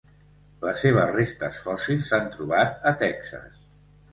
Les seves restes fòssils s'han trobat a Texas.